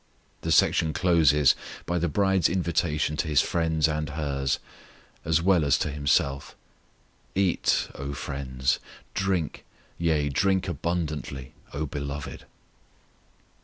The section closes by the bride's invitation to His friends and hers, as well as to Himself: Eat, O friends; Drink, yea, drink abundantly, O Beloved.